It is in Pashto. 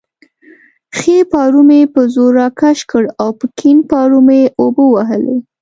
ښی پارو مې په زور راکش کړ او په کیڼ پارو مې اوبه ووهلې.